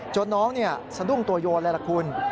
จนน้องนี่สนุ่มตัวยนแหละคุณ